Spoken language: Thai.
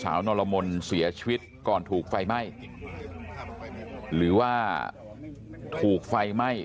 ได้นะครับว่านางสาวนรมลเสียชีวิตก่อนถูกไฟไหม้หรือว่าถูกไฟไหม้